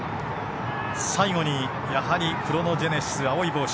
最後にやはりクロノジェネシス青い帽子。